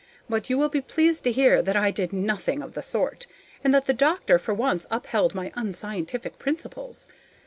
But you will be pleased to hear that I did nothing of the sort, and that the doctor for once upheld my unscientific principles.